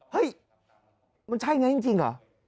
เฮ่ยมันใช่อย่างนี้จริงเหรอ